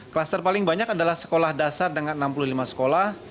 kluster paling banyak adalah sekolah dasar dengan enam puluh lima sekolah